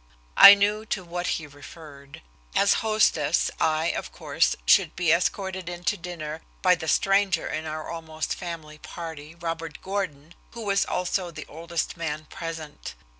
I knew to what he referred. As hostess, I, of course, should be escorted in to dinner by the stranger in our almost family party, Robert Gordon, who was also the oldest man present.